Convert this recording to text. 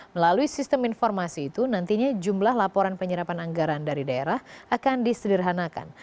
melalui sistem informasi itu nantinya jumlah laporan penyerapan anggaran dari daerah akan disederhanakan